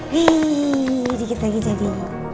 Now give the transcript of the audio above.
hii dikit lagi jadi